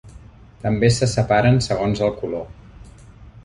També se separen segons el color.